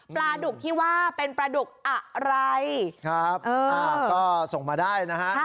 ปลาดุกที่ว่าเป็นปลาดุกอะไรครับอ่าก็ส่งมาได้นะฮะ